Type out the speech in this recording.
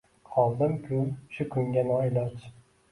Qoldikmi shu kunga noiloj?